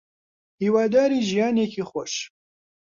هیواداری ژیانێکی خۆش